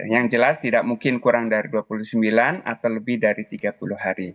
yang jelas tidak mungkin kurang dari dua puluh sembilan atau lebih dari tiga puluh hari